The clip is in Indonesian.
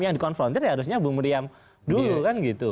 yang dikonfrontir ya harusnya bu miriam dulu kan gitu